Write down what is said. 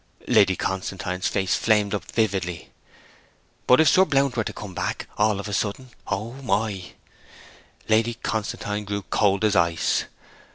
Lady Constantine's face flamed up vividly. 'If Sir Blount were to come back all of a sudden oh, my!' Lady Constantine grew cold as ice.